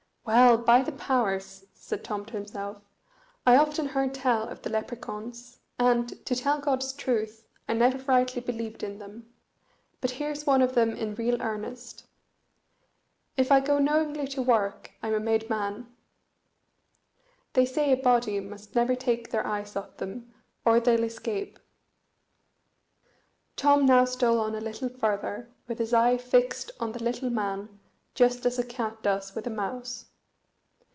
"Well, by the powers," said Tom to himself, "I often heard tell of the Lepracauns, and, to tell God's truth, I never rightly believed in them but here's one of them in real earnest. If I go knowingly to work, I'm a made man. They say a body must never take their eyes off them, or they'll escape." Tom now stole on a little further, with his eye fixed on the little man just as a cat does with a mouse.